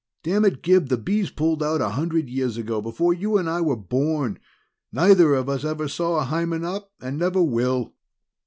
Damn it, Gib, the Bees pulled out a hundred years ago, before you and I were born neither of us ever saw a Hymenop, and never will!"